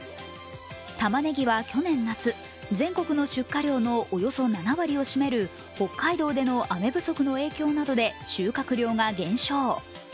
たまねぎは去年夏、全国の出荷量のおよそ７割を占める北海道での雨不足の影響などで収穫量が減少。